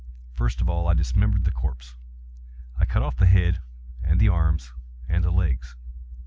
First of all I dismembered the corpse. I cut off the head and the arms and the legs.